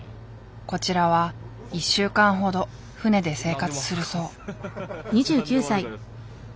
こちらは１週間ほど船で生活するそう。